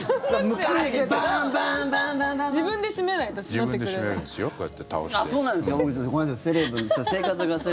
自分で閉めないと閉まってくれない。